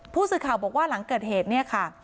ผู้สื่อข่าวบอกว่าหลังเกิดเหตุเนี่ยค่ะ